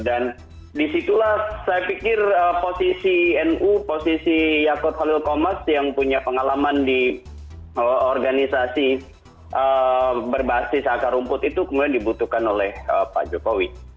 dan disitulah saya pikir posisi nu posisi yaakob halil komas yang punya pengalaman di organisasi berbasis akar rumput itu kemudian dibutuhkan oleh pak jokowi